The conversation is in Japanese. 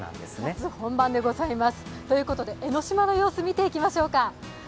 夏本番でございます、江の島の様子を見ていきましょうか。